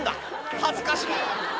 恥ずかしい。